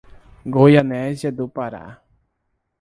Goianésia do Pará